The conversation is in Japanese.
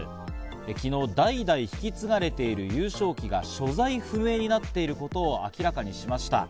昨日代々引き継がれている優勝旗が所在不明になっていることを明らかにしました。